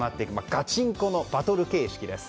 ガチンコのバトル形式です。